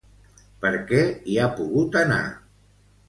Per què hi ha pogut anar?